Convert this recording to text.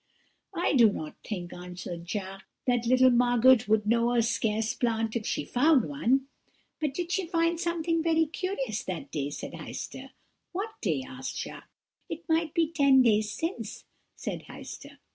"'I don't think,' answered Jacques, 'that little Margot would know a scarce plant if she found one.' "'But she did find something very curious that day,' said Heister. "'What day?' asked Jacques. "'It might be ten days since,' said Heister.